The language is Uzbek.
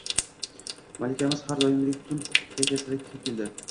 Malikamiz har doimgidek tund kayfiyatda kirib keldi